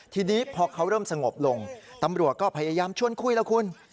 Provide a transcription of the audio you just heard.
ทีนี้พอเขาเริ่มสงบลงตำรวจก็พยายามชวนคุยแล้วคุณ